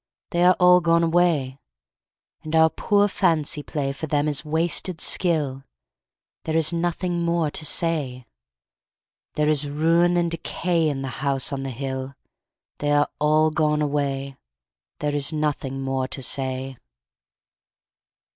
They are all gone away. And our poor fancy play For them is wasted skill: There is nothing more to say. There is ruin and decay In the House on the Hill They are all gone away, There is nothing more to say.